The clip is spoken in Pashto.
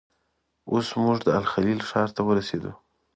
اوس موږ د الخلیل ښار ته ورسېدو.